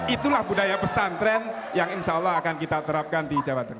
itulah budaya pesantren yang insya allah akan kita terapkan di jawa tengah